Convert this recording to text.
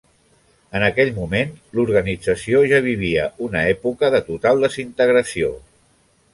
En aquell moment l'organització ja vivia una època de total desintegració.